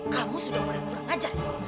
kamu sudah mulai kurang ajar